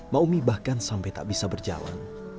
maumi bahkan sampai tak bisa berjalan